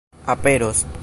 aperos